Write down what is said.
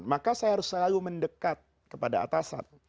maka saya harus selalu mendekat kepada atasan